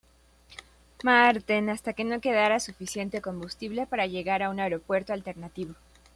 Maarten hasta que no quedara suficiente combustible para llegar a un aeropuerto alternativo.